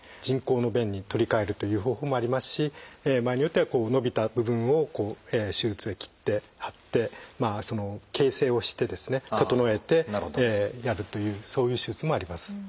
人工の弁に取り替えるという方法もありますし場合によっては伸びた部分を手術で切って貼って形成をしてですね整えてやるというそういう手術もあります。